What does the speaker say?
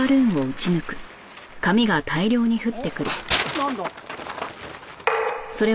なんだ？